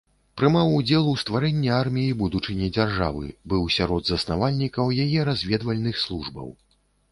Прымаў удзел у стварэнні арміі будучыні дзяржавы, быў сярод заснавальнікаў яе разведвальных службаў.